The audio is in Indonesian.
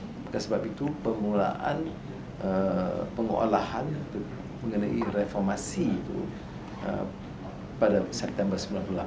oleh karena itu pemulaan pengualahan mengenai reformasi itu pada september sembilan puluh delapan